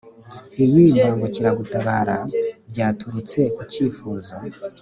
iyi mbangukiragutabara byaturutse ku cyifuzo